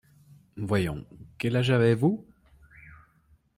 Voyons, quel âge avez-vous ?…